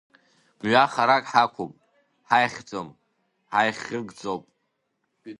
Мҩа харак ҳақәуп, ҳаихьӡом, ҳаихьыгӡоуп.